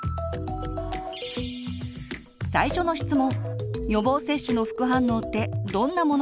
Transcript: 最初の質問！